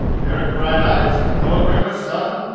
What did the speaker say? "Eric Brighteyes, Thorgrimur's son?"